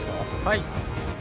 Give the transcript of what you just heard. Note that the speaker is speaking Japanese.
はい。